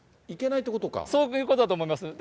そういうことだと思います。